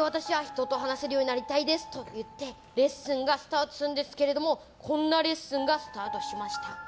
私は人と話せるようになりたいですと言ってレッスンがスタートするんですがこんなレッスンがスタートしました。